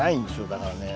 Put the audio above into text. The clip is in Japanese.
だからね